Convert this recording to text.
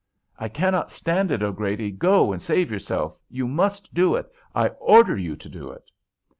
"I cannot stand it, O'Grady. Go and save yourself. You must do it. I order you to do it."